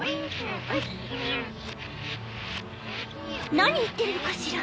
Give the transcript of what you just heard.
何言ってるのかしら？